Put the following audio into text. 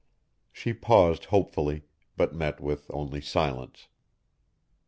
She paused hopefully, but met with only silence.